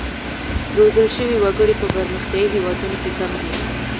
روزل شوي وګړي په پرمختیايي هېوادونو کې کم دي.